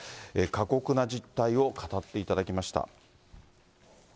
過酷な実態を語っていただきました。